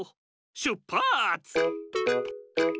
しゅっぱつ！